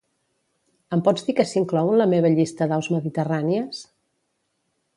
Em pots dir què s'inclou en la meva llista d'aus mediterrànies?